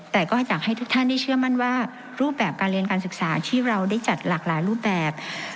แต่ก็อยากให้ทุกท่านได้เชื่อมั่นว่ารูปแบบการเรียนการศึกษาที่เราได้จัดหลากหลายรูปแบบ